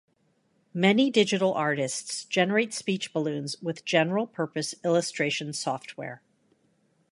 Many digital artists generate speech balloons with general-purpose illustration software.